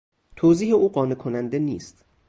توضیح او قانع کننده نیست.